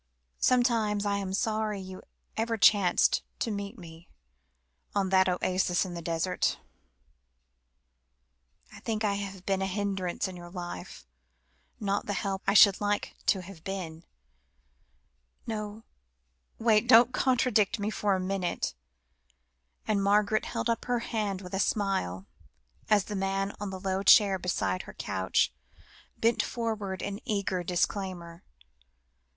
Sometimes I am sorry you ever chanced to meet me, on that oasis in the desert. I think I have been a hindrance in your life, not the help I should like to have been. No wait don't contradict me for a minute," and Margaret held up her hand with a smile, as the man on the low chair beside her couch, bent forward in eager disclaimer.